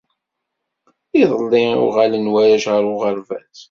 Iḍelli i uɣalen warrac ɣer uɣerbaz.